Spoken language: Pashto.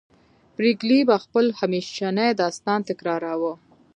پريګلې به خپل همیشنی داستان تکراروه